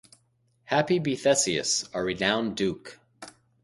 Happy be Theseus, our renowned duke!